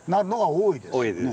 多いです。